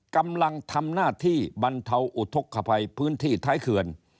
กำลังทำหน้าที่บรรเทาอุทธกภัยพื้นที่ท้ายเขื่อน